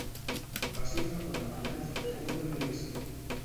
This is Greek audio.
βαστιούνταν από τα μαλλιά και χτυπιούνταν με λύσσα.